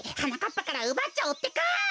ぱからうばっちゃおうってか！